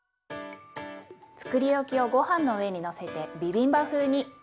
つくりおきをごはんの上にのせてビビンバ風に。